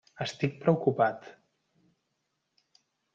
Estic preocupat.